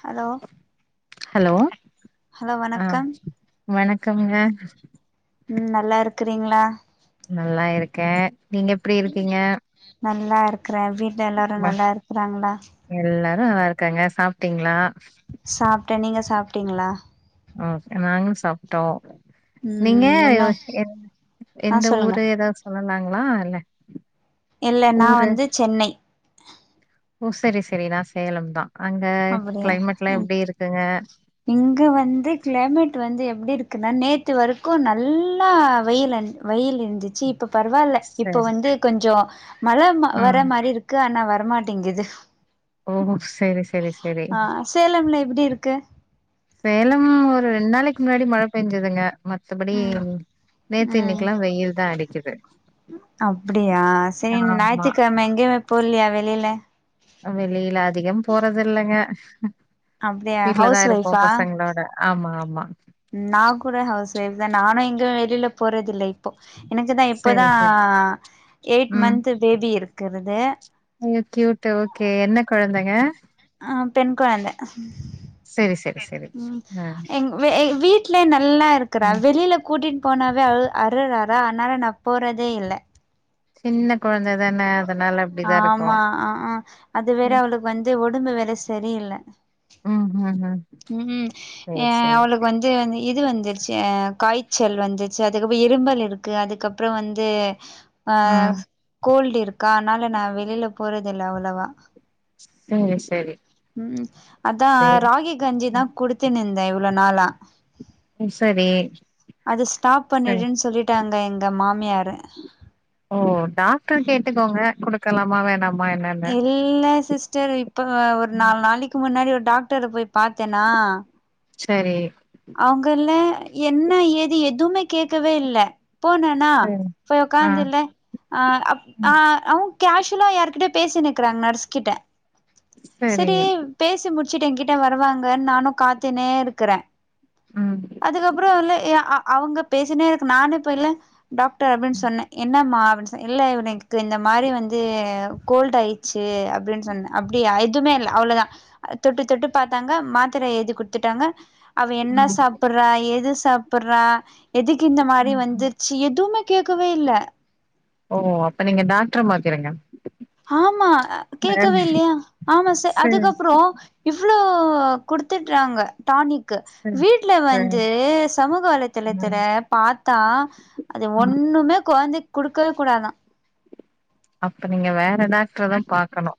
hello hello hello அ வணக்கம் வணக்கம்ங்க ம் நல்லா இருக்றீங்களா நல்லா இருக்கே நீங்க எப்டி இருக்கீங்க க்றே வீட்ல எல்லாரு நல்லா இருக்றாங்களா ம் நல்லா இருக்காங்க சாப்டீங்களா சாப்டே நீங்க சாப்டீங்களா ம் நாங்களு சாப்டோ நீங்க ம் என்ன எத் ஆ எந்த சொல்லுங்க ஊரு ஏதாவது சொல் நாங்களா அல்ல இல்ல நா வந்து சென்னை ஓ செரி செரி நா சேலம் தா அங்க அப்டியா கிளைமேட்லா ம் எப்டி இருக்குங்க இங்க வந்து கிளைமேட் டு வந்து எப்டி இருக்குன்னா நேத்து வரக்கு நல்லா வெயில வெயில் இருந்துச்சு இப் இப்ப பரவால்ல இப்ப சரி வந்து கொஞ்சோ மழ ம் வர மாரி இருக்கு ஆனா வ வரமாட்டேங்குது ஓ செரி செரி செரி ஆ சேலம்ல எப்டி இருக்கு சேலம் ஒரு ரெண்டு நாளைக்கு முன்னாடி மழ பேஞ்சதுங்க மத்தபடி ம் நேத்து ம் இன்னைக்கெல்லா வெயில் தா அடிக்குது அப்டியா செரி ஆமா ஞாயித்துக்கிழம எங்கையுமே போலையா வெளில வெளில அதிகம் போறதில்லங்க அப்டியா வீட்ல தா ஹவுஸ் இருப்போ ஒய்ஃபா பசங்களோட ஆமா ஆமா நா கூட ஹவுஸ் ஒய்ஃப் தா நானு எங்கு வெளில போறதில்லை போ எனக்குதா செரி இப்போதா செரி எயிட் மந்த் பேபி இருக்குறது அய்யோ கியூட் ஓகே என்ன கொழந்தை ஆ பெண் கொழந்த செரி செரி செரி ம் அ எங் எ வீட்லே நல்லா இருக்கறா அ வெளில கூட்டி போனாவே அழு அருறாரா ஆனால ந போறதே இல்ல சின்ன கொழந்த தான அதனால அப்டிதா இருக்கு ஆமா ஆ ஆ அது வேற அவளுக்கு வந்து உடம்பு வேற சரியில்ல ம் ம் ம் ம் சேரி சேரி அவளுக்கு வந்து இது வந்துருச்சு அ காய்சு செல் வந்துச்சு அதுக்கப்புற இரும்பல் இருக்கு அதுக்கப்புறம் வந்து ஆ ம் கோல்டு இருக்கா அதனால நா வெளியில போறதுல்ல அவ்வளவா சேரி சேரி ம் அதா சேரி ராகி கஞ்சி தா குடுத்துனுந்தே இவ்வள நாளா சரி அது ஸ்டாப் சரி பண்ணிடுனு சொல்லிட்டாங்க க எங்க மாமியாரு ஓ டாக்டர் கேட்டுக்கோங்க குடுக்கலாமா வேணாம் இல்ல சிஸ்டர் இப்ப ஒரு ம் நாலு நாளைக்கு முன்னாடி ஒர் டாக்டர போய் பாத்தேனா சரி அவங்கல என்ன ஏது எதுவுமே கேக்கவே இல்ல போனண்ணா சரி போய் ஆ ஒக்காந்து இல்ல ஆ ம் ஆ அவு கேஷலா யார்கிட்ட பேசின்கிறாங்க நர்ஸ் கிட்ட சரி பேசி முடிச்சுட்டு என்கிட்ட வருவாங்கன்னு நானும் காத்தினே இருக்கறே ம் அதுக்கப்றோ இல்ல எ அ அவங்க பேசினே இருக் நானு இப்ப இல்ல டாக்டர் அப்படின் சொன்னே என்னம்மா அப்படின் சொன் இல்ல இவனுக்கு இந்த மாரி வந்து கோல்ட் ஆயிடுச்சு ச அப்படின் சொன்ன அப் எதுமே இல்ல அவ்வளதா தொட்டு தொட்டு பாத்தாங்க மாத்திர எழுதி குடுத்துட்டாங்க அவ என்ன ம் சாப்பிடுறா எது சாப்படுறா எதுக்கு இந்த மாதிரி ம் ம் வந்துருச்சு எதுமே கேக்கவே இல்ல ஓ அப்ப நீங்க டாக்ர பாக்கறிங்க ஆமா கேட்கவே இல்லையா ஆமா ச சேரி அதுக்கப்புற இவ் அவ்ளோ கொடுத்துட்டறாங்க டானிக் சேரி வீட்ல சேரி வந்து சமூக வலைதளத்துல ம் பாத்தா அது ஒன்னு ம் இன்னுமே கொழந்தைக் குடுக்கவே கூடாதா அப்ப நீங்க வேற டாக்டர தா பாக்கணு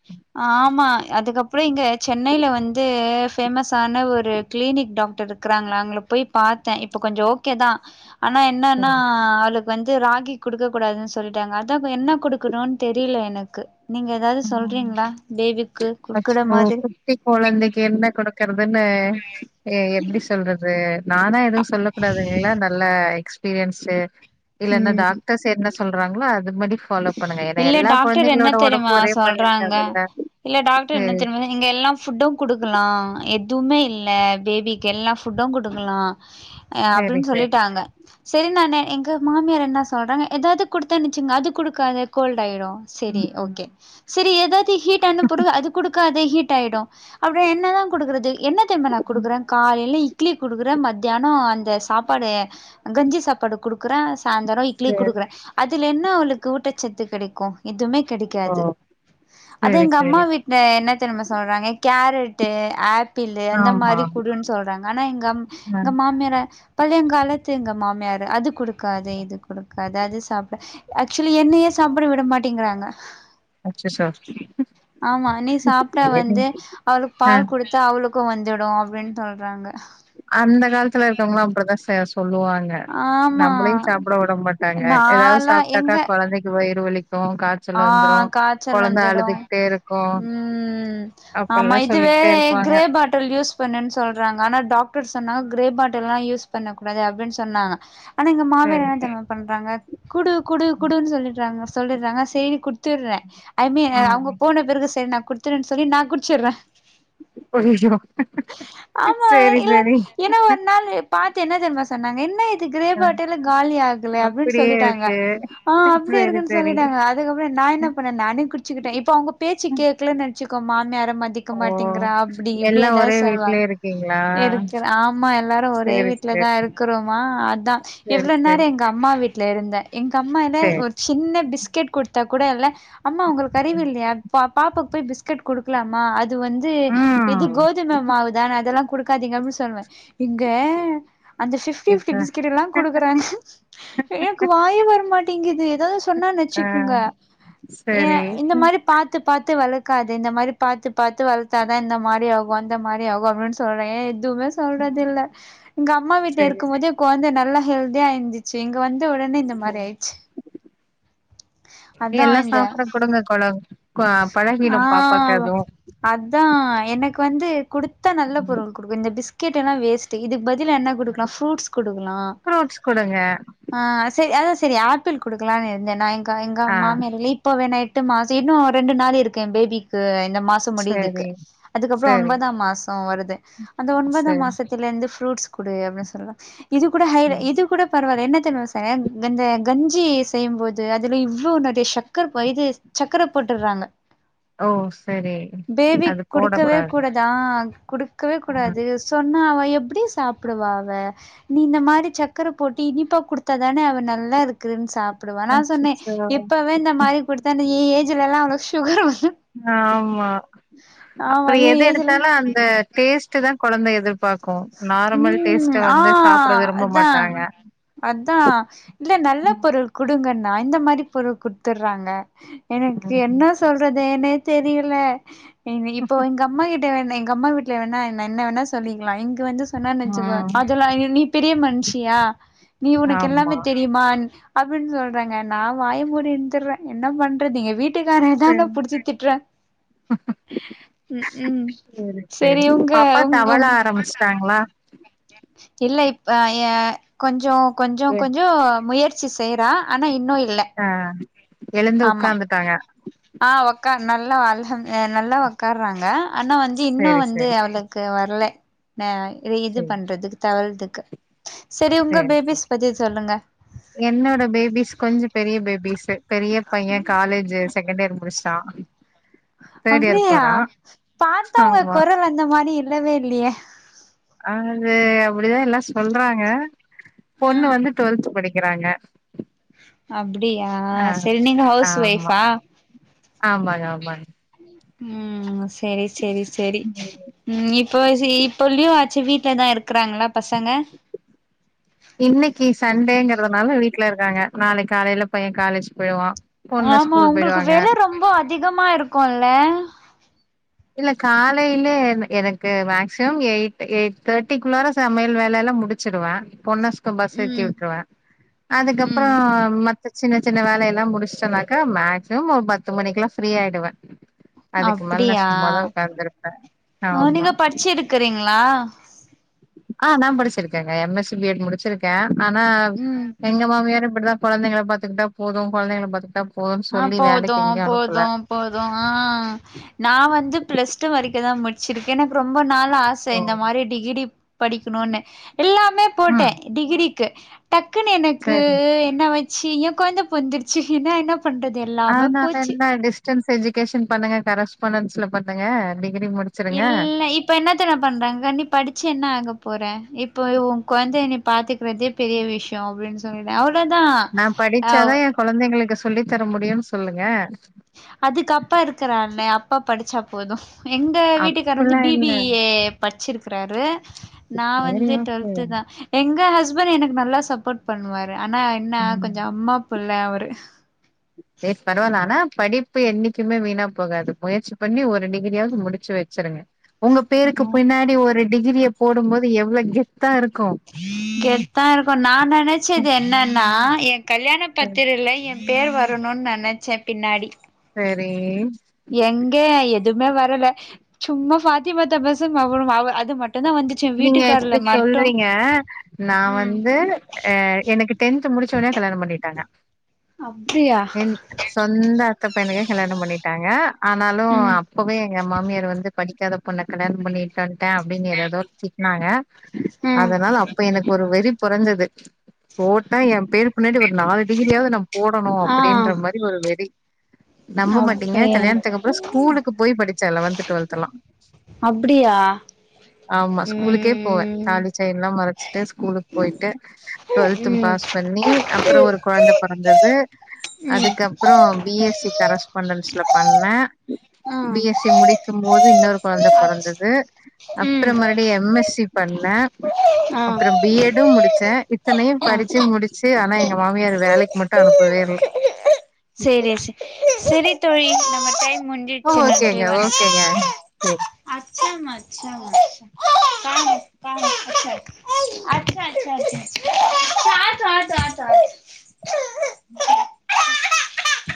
ஆமா அதுக்கப்புறோ இங்கே சென்னையில வந்துது ஃபேமஸான ஒரு கிளினிக் டாக்டர் இருக்குறாங்களா அங்களுக்கு போய் பாத்தே இப்ப கொஞ்ச ஓகே தா ஆனா என்னன்னா சேரி அவளுக்கு வந்து ராகி குடுக்க கூடாதுனு சொல்ட்டாங்க அதாப்பு என்ன கொடுக்கணு தெரில எனக்கு நீங்க எதாது ம் சொல்றீங்ளா பேபிக் அச்சோ குட்டி கொழந்தைக்கு என்ன கொடுக்கற் அதான்னே எ எப்டி சொல்றது நானா எதுவு சொல்ல கூடாது எல்லா நல்ல எக்ஸ்ப் பீரியன்ஸு இல்லனா ம் டாக்டர்ஸ் என்ன சொல்றாங்களோ அதுபடி ஃபாலோ பண்ணுங்க ஏனா இல்ல எல்லா டாக்டர் என்ன கொழந்தைங்களோட தெரியுமா ஒடம்பூ ஒரே மாரி சொல்றாங்க இருக்காதுல்ல இல்ல டாக்டர் என்ன சேரி தெரிமா நீங்க எல்லா ஃபுட்டூ குடுக்கலா எதுவுமே இல்ல பேபிக்கு எல்லா ஃபுட்டும் குடுக்கல்லா ஆ சேரி அப்டின்னு சேரி சொல்லிட்டாங்க செரி நானு எங்க மாமியார் என்ன சொல்றாங்க ஏதாது குடுத்தே வச்சுகோங்க அது குடுக்காத கோல்ட்டாயிரு செரி ம் ஓகே செரி ஏதாச்சு ஹீட் ஆனா பொருளு அது குடுக்காத ஹீட் ஆய்டு அப்ற என்ன தா குடுக்குறது என்ன தெரிமா நா குடுத் ம் டுக்றே காலைல இட்லி குடுக்குறே மத்தியானோ அந்த சாப்பாடு கஞ்சி சாப்பாடு குடுக்குறே சாந்தர இட்லி சேரி குடுக்குறே அதுல என்ன அவுளுக்கு ஊட்டச்சத்து கெடைக்கு எதுமே ஓ கெடைக்காது அதே சேரி எங்கம்மா சேரி வீட்ல என்ன தெர்மா சொல்றாங்க கேரட் ட்டு ஆப்பிளு அந்த ஆமா மாரி குடுன் சொல்றாங்க ஆனா எங்கம் ஆ எங்க மாமியாரு பழங்காலத்து எங்க மாமியாரு அது குடுக்காத இது குடுக்காத அது சாப்ட ஆக்சுலி என்னையே சாப்ட விட மாட்டிங்றாங்க அச்சச்சோ ஆமா நீ சாப்ட்டா சேரி வந்து அவுளுக்கு ஆ பால் குடுத்தா அவுளுக் கு வந்துடு அப்டின் சொல்றாங்க அந்த காலத்துல இருக்கவங்லா அப்டிதா செய சொ சொல்லுவாங்க நம்மளையு ஆமா சாப்பட உட மாட்டாங்க எதாவுது நாலா சாப்டாக்கா எங்க கொழந்தைக்கு வயிறு வலிக் ஆ காச்சல் வந்துடு அழுதுகிட்டே இருக்கு ம் ஆமா அப்பல்லா இது து சொல்லிக்கிட்டே இருப்பாங்க கிரேப் பாட்டில் யூஸ் பண்ணுன் சொல்றாங்க ஆனா டாக் டர் சொன்னாங்க கிரே பாட்டல்லா யூஸ் பண்ணக்கூடாது அப்பிடின் சொன்னாங்க ஆனா எங்க மாமியார் சரி என்னா தெரிமா பண்றாங்க குடு குடு குடுன் சொல்லிடுறாங்க சொல்லிர்றாங்க சேரின் குடுத்துர்றே ஐ மீ அவுங்க ம் போன பிறகு சரி நா குடுத்துர்றேன் சொல்லி நா குடிச்சிர்றே ஐயோ ஆமாங்க சேரி இல்ன சேரி என்ன ஒரு நாள் பா ட்டு என்ன தெர்மா சொன்னாங்க என்ன இது கிரே அ பாட்டில காலி ஆகல அப்டின் அப்டியே சொல்லிட்டாங்க இருக்கு ஆ சேரி அப்டியேருக்குன் சேரி சொல்லிட்டாங்க அதுக்கப்ற நா என்ன பண்ணே நானே குடிச்சிகிட்டே இப்ப அவுங்க பேச்சு கேக்கலன் நெனச்சுக்கு மாமியார மதிக்க ஓ மாட்டேங்கிறா அப்டி இப்டி எல்லா எதாது ஒரே சொல்வாங்க வீட்லயே இருக்கீங்களா இருக்கிற ஆமா எல்லாரு ஒரே சேரி வீ ட்ல தா சேரி இருக்கறோமா அதா சேரி இவ்ள நேர சேரி எங்க அம்மா வீட்லருந்தே எங்க அம்மா இல சேரி ஒரு சின் ன பிஸ் கெட் குடுத்தா கூட இல்ல அம்மா உங்ளுக் அறிவில்லியா ப பாப்பாக்கு போய் பிஸ்கெட் குடுக்லாமா அ து வந்து இது ம் கோதும மாவுதான அதெல்லா குடுக்காதிங்க அப்டின் சொல்வ இங்க அந்த ஃபிஃப்டி இப்ப ஃபிஃப்டி பிஸ்கட் எல்லா குடுக்குறாங்க எனக்கு வாயே வரமாட்டேங்குது எதோ சொன்னா ஆ குங்க ஏ சரி இந்த மாரி பாத்து பாத்து வளக் காத இந்த மாரி பாத்து பாத்து வளத்தாதா இந்த மாதிரி ஆகு அந்த மாரி ஆகு அப்டின் சொல்ற எ துமே ம் சொல்றதில்ல எங்கம்மா சேரி வீட்லருக்கும் போது கொழந்த நல்லா ஹெல்தியா இருந்துச்சு இங்க வந்து உடனே இந்த மாரி ஆயிடுச்சு இது அதா எல்லா இந்த சாப்பட குடுங்க கொழ பழகிடு ஆ பாப்பாக் அதுவு அதா எனக்கு வந்து குடுத்தா நல்ல ம் பொருள் குடுக்கு இந்த பிஸ்கெட்டெல்லா வேஸ்ட் இதுக் பதிலா என்ன குடுக்கலா ஃப்ரூட்ஸ் குடுக்கலா ஃப்ரூட்ஸ் குடுங்க ஆ சேரி அதா சரி ஆப்பிள் குடுக்கலான் இருந்தே நா எங்க எங்க ஆ மாமியார் ஏ இப்ப வேணா எட்டு மாச இன்னு ரெண்டு நாளிருக்கு எ பேபிக்கு இந்த மாசம் முடியுதுக்கு சேரி அதுக்கப்புற சேரி ஒன்பதாம் மாச வருது அந்த ஒன்பதா சேரி மாசத்திலருந்து ஃப்ரூட்ஸ் குடு அப்டின் சொல்றாங் இது கூட ஹை சேரி இது கூட பரவால என்ன ச இந்த கஞ்சி செய்யும் போது அது இதுல இவ்ள நெறைய சக்கரை இது சக்கரை போட்டுர்றாங்க ஓ சர் பேபிக் குடுக்கவே கூடாதா குடுக்கவே ஆ கூடாது சொன்னா அவ எப்டி சாப்டுவா அவ நீ இந்த மாரி சக்கர போட்டு இனிப்பா குடுத்தாதான அவ நல்லாருக்கு ன் சாப்டுவா நா சொன்னே அச்சச்சோ இப்பவே இந்த மாரி குடுத்தா ஏ ஏஜ்லலா அவுளுக்கு சுகர் வந் ஆமா அப்பற ஆமா ஏ ஏஜ்ல எதெடுத்தாலு அந்த டேஸ்ட்டு தா கொழந்த எதிர்பாக்கு நார்மல் ம் டேஸ்ட்ட ஆ வந்து சாப்ட விரும்ப அதா மாட்டாங்க அதா இல்ல நல்ல ம் பொருள் குடுங்கன் னா இந்த மாரி பொருள் குடுத்துர்றாங்க எனக்கு ம் என்ன சொல்றதேனே தெரியல இ இப்போ எங்க அம்மா கிட்ட வேணா எங்க அம்மா வீட்ல வேணா என்ன வேன்னா சொல்லிக்கலாம் இங்க வந்து சொன்ன நெனச்சுக்கோ ம் அதெல்லா நீ பெரிய மனுஷியா நீ உனக்கு எல்லாமே ஆமா தெரியுமான் அப்டின்னு சொல்றாங்க நா வாய மூடி இருந்துருவே என்ன பண்றது எங்க வீட் வீட்டுக்காரேதான சேரி புடிச்சி திட்றே ம் ம் சேரி செரி சேரி உங்க பாப்பா உங் தவள உங் ஆரம்பிச்சுட்டாங்களா இல்ல இப்ப ஆ கொஞ்சோ கொஞ்சோ ஏ கொஞ்சோ முயற் முயற்சி செய்ற ஆனா இன்னு இ ஆ எழுந்து உக்காந்துட்டாங்க உக்கா நல்லா வல்ல ஆ நல்லா உக்காறாங்க ஆனா வந்து இன்னு சேரி வந்து சேரி அவளுக்கு வரல ந இது இது சேரி பண்றதுக்கு தவழ்துக்கு செரி உங்க சேரி சேரி பேபிஸ் பத்தி சொல்லுங்க என்னோட பேபிஸ் கொஞ்சோ பெரிய பேபிஸ்ஸூ பெரிய பைய காலேஜ்ஜூ செகண்ட் இயர் முடிச்சிட்டா அப்டியா பாத்தா உங்க ஆமா கொரல் அந்த மாரி இல்லவே இல்லையே அது அப்டிதா எல்லா சொல்றாங்க பொண்ணு வந்து டுவெல்த் படிக் க்கிறாங்க அப்டியா செரி நீங்க ஹவுஸ் ஆமா வைஃபா ஆமாங்க ஆமாங்க ம் செரி செரி செரி ம் இப்ப இப்ப லீவு ஆச்சி வீட் வீட்ல தா இருக்கிறாங்களா பசங்க இன்னக்கி சண்டேங்கிறதுனால வீட்ல இருக்காங்க நாளைக் காலேல பைய காலேஜ் போயிருவா ஆமா உங்களுக்கு வேல ரொம்ப அதிகமா இருக்குல்ல இல்ல காலேல எனக்கு மேக்சிமம் எயிட் எயிட் தேர்டிக்குள்ளார சமையல் வேலல்லா முடிச்சிடுவே பொண்ணஸ்க பஸ் ஏத்தி ம் விட்ருவே அதுக்கப்பறோ ம் மத் சின்ன சின்ன வேலயல்லா முடிச்சிட்டேனாக்கா மேக்சிமம் ஒரு பத்து மணிக்குல்லா ஃப்ரீ ஆயிடுவே அதுக்கு மேல நா அப்டியா சும்மாதா உக்கார்ந்துருப்பே ஆ ஆமா நீங்க படிச்சிருக்கிறீங்களா ஆ நா படிச்சிருக்கேங்க M S C B Ed முடிச்சிருக்கே ஆனா ம் எங்க மாமியாரு அப்டிதா கொழந்தைங்கள பாத்துக்கிட்டா போது கொழந்தைங்கள பாத்துக்கிட்டா போதுன்னு ஆ சொல்லி போது வேலைக்கு எங்கயு போது அனுப்பல போது ஆ நா வந்து பிளஸ் டூ வரைக்குதா முடிச் வச்சிருக்கே எனக்கு ரொம்ப நாள் ஆச ஓ இந்த மாரி டிகிரி படிக்கணுன்னு எல்லாமே போட்டே ம் டிகிரிக்கு டக்குன்னு எனக்கு சேரி என்ன வ ஆச்சி ஏ கொழந்த பொறந்துடுச்சி என்ன என்ன பண்றது எல்லாமே ஆனால நாங்க போச்சு என்ன டிஸ்டன்ஸ் எஜுகேஷன் பண்ணுங்க கரஸ்பாண்டன்ஸ்ல பண்ணுங்க டி இல்ல இப்ப என்னத் தெரிமா பண்றாங்கா நீ படிச்சி என்ன ஆக போற இப்போ உன் கொழந்தைய நீ பாத்துக்கிறதே பெரிய விஷயோ அப்டின்னு சொல்றே அவரு நா படிச்சாதா என் கொழந்தைங்களுக்கு சொல்லி தர முடியுன்னு சொல்லுங்க அதுக்கு அப்பா இருக்கறான்ல அப்பா படிச்சா போது எங்க வீட்டுக்கார் வந்து அப்புல்லா பி பி இல்ல ஏ படிச்சிருக்றாரு நா சேரி வந்து ஓகே டுவெல்து தா எங்க ஹஸ்பண்ட் எனக்கு நல்லா சப்போட் பண்ணுவாரு ஆனா என்ன ம் கொஞ்சோ அம்மா புள்ள அவரு சேரி பரவால்லா ஆனா படிப்பு என்னைக்குமே வீணா போகாது முயற்சி பண்ணி ஒரு டிகிரியாவது முடிச்சி வச்சிருங்க உங்க பேருக்கு பின்னாடி ஒரு டிகிரிய போடும்போது எவ்ளோ கெத் கெத்தா இருக்கு நா நினச்சது என்னன்னா என் கல்யாண பத்திரில என் பேர் வரணுன்னு நினச்சே பின்னாடி செரி எங்க எதுவுமே வரல சும்மா பாத்திமாத்தபசம் அவ்ளோ அவ அது மட்டு மட்டுந்தா வந்துச்சு நீங்க வீட்டுக்கார்ல இப்டி சொல்றீங்க நா ம் வந்து ஆ எனக்கு டென்த் முடிச்ச ஒன்னே கல்யாணம் பண்ணிட்டாங்க அம் என் சொந்த அத்த பையனுக்கே கல்யாணம் பண்ணிட்டாங்க ஆனாலு ம் அப்பவே எங்க மாமியார் வந்து படிக்காத பொண்ண கல்யாணோ பண்ணிட்டு வண்டே அப்டின்னு ஏதேதோ திட்னாங்க ம் அதனால அப்ப எனக்கு ஒரு வெறி போறந்தது போட்டா எயா பேருக் பின்னாடி ஒரு நாலு டிகிரியாவது நா போட ஆ அப்டின்ற மாரி ஒரு வெறி நம்ப மாட்டீங்க அப்டியா கல்யாணத்துக்கு அப்றோ ஸ்கூலு போய் படிச்சே லெவன்த் டுவெல்த் எல்லா அப்டியா ஆமா ஸ்கூலுக்கே போவே ம் தாலி செயின்லா மறச்சிட்டு ஸ்கூலுக் போயிட்டு டூவல்த்தும் ம் பாஸ் பண்ணி அப்றோ ஒரு கொழந்த பொறந்தது ம் அதுக்கப்றோ பி எஸ் சி கரஸ்பாண்டன்ஸ்ல பண்ண ஆ பி எஸ் சி முடிக்கும்போது இன்னொரு கொழந்த அச் பொறந்தது ம் அப்றோ மறுபடியு எம் எஸ் சி பண்ணோ ஆ அப்றோ பி எட் டும் முடிச்சே இத்தனையு ஆ படிச்சு முடிச்சு ஆனா எங்க மாமியார் வேலைக் மட்டு அனுப்பவே இல்ல சேரி சேர் சேரி தோழி நம்ம டைம் ஒ முடிஞ்சிடுச்சு நன்றி ஓகேங்க வணக்கம் ஓகேங்க சேரி [inaudible] [inaudible] ஆட்டோ